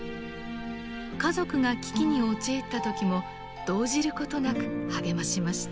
家族が危機に陥った時も動じることなく励ましました。